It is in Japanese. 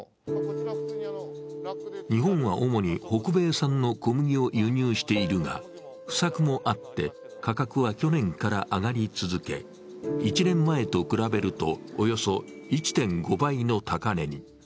日本は主に、北米産の小麦を輸入しているが、不作もあって、価格は去年から上がり続け、１年前と比べるとおよそ１．５倍の高値に。